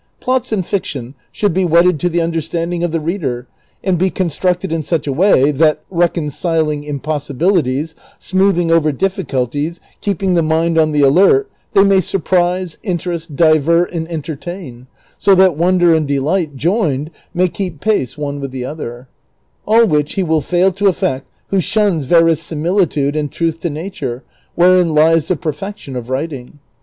Plots in fiction should be wedded to the understanding of the reader, and be constructed in such a way that, reconciling impossibilities, smoothing over difficulties, keeping the mind on the alert, they may surprise, interest, divert, and entertain, so that wonder and delight joined may keep pace one with the other ; all which he will fail to effect who shuns verisimilitude and truth to nature, wherein lies the perfection of writing.